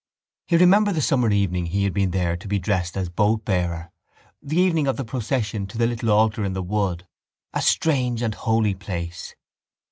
He remembered the summer evening he had been there to be dressed as boatbearer, the evening of the procession to the little altar in the wood. A strange and holy place.